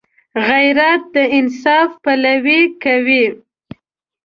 غیرت د انصاف پلوي کوي